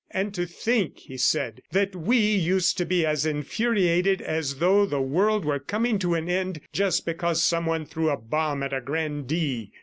"And to think," he said "that we used to be as infuriated as though the world were coming to an end, just because someone threw a bomb at a grandee!"